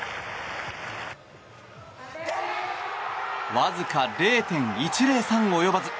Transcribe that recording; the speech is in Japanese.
わずか０．１０３及ばず。